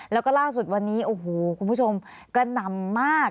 แล้วก็ล่าสุดวันนี้โอ้โหคุณผู้ชมกระหน่ำมาก